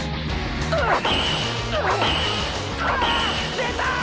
出た！